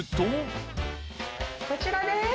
こちらです。